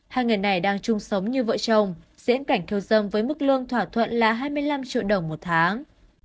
hai người này đang chung sống như vợ chồng diễn cảnh cư dân với mức lương thỏa thuận là hai mươi năm triệu đồng một tháng